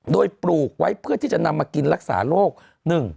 โดยปลูกไว้เพื่อที่จะนำมากินรักษาโรค